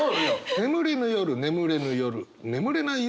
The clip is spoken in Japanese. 「眠れぬ夜」「眠れぬ夜」「眠れない夜」